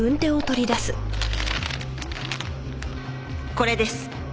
これです。